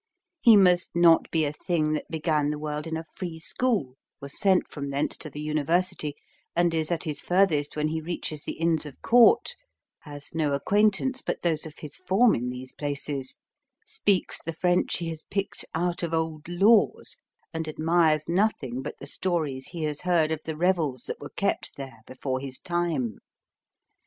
He must not be a thing that began the world in a free school, was sent from thence to the university, and is at his furthest when he reaches the Inns of Court, has no acquaintance but those of his form in these places, speaks the French he has picked out of old laws, and admires nothing but the stories he has heard of the revels that were kept there before his time.